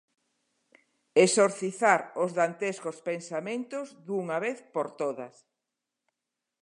Exorcizar os dantescos pensamentos dunha vez por todas.